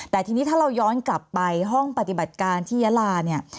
แต่ทีนี้ถ้าเราย้อนกลับไปห้องปฏิบัติการที่ยาลาเนี่ย